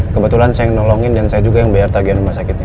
kebetulan saya yang nolongin dan saya juga yang bayar tagihan rumah sakitnya